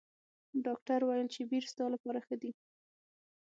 ډاکټر ویل چې بیر ستا لپاره ښه دي.